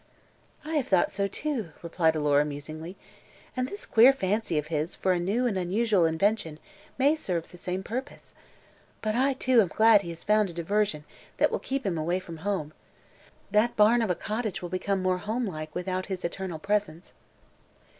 "I have thought so, too," replied Alora, musingly. "And this queer fancy of his for a new and unusual invention may serve the same purpose. But I, too, am glad he has found a diversion that will keep him away from home. That barn of a cottage will become more homelike without his eternal presence."